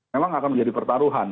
memang akan menjadi pertaruhan